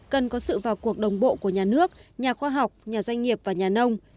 cần có sự vào cuộc đồng bộ của nhà nước nhà khoa học nhà doanh nghiệp và nhà nông